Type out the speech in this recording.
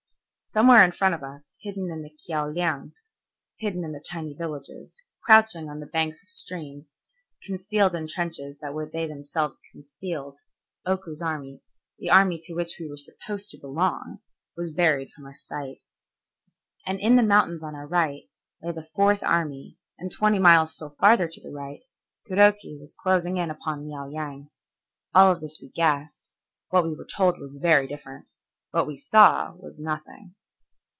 Somewhere in front of us hidden in the Kiao liang, hidden in the tiny villages, crouching on the banks of streams, concealed in trenches that were themselves concealed, Oku's army, the army to which we were supposed to belong, was buried from our sight. And in the mountains on our right lay the Fourth Army, and twenty miles still farther to the right, Kuroki was closing in upon Liao Yang. All of this we guessed, what we were told was very different, what we saw was nothing.